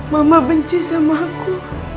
mama benci sama aku